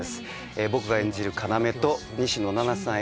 僕が演じる要と西野七瀬さん